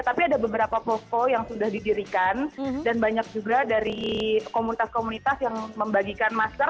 tapi ada beberapa posko yang sudah didirikan dan banyak juga dari komunitas komunitas yang membagikan masker